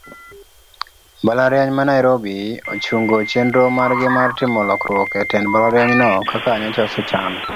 Mbalariany ma nairobi ochungo chienro margi mar timo lokruok etend mbalarianyno kaka nyocha osechan.